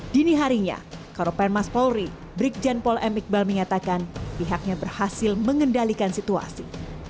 dini harinya karopen mas polri brikjen pol m iqbal menyatakan pihaknya berhasil mengendalikan situasi